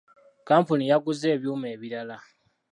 Kkampuni yaguze ebyuma ebirala.